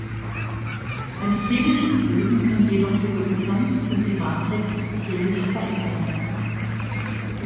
Ein chemisches Lösen kann jedoch die Substanz und die Matrix chemisch verändern.